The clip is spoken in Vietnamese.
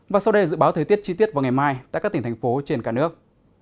và sau đây là dự báo thời tiết chi tiết vào ngày mai tại các tỉnh thành phố trên cả nước